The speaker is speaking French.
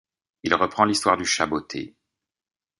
Il reprend l'histoire du chat botté.